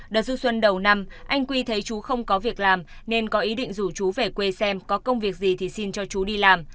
đợt du xuân đầu năm anh quy thấy chú không có việc làm nên có ý định rủ chú về quê xem có công việc gì thì xin cho chú đi làm